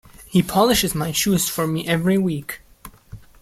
He polishes my shoes for me every week.